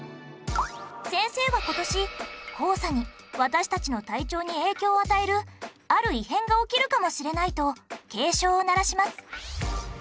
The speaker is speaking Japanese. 先生は今年黄砂に私たちの体調に影響を与えるある異変が起きるかもしれないと警鐘を鳴らします。